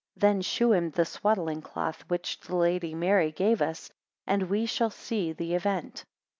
then shew him the swaddling cloth, which the Lady Mary gave us, and we shall see the event.